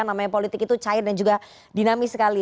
namanya politik itu cair dan juga dinamis sekali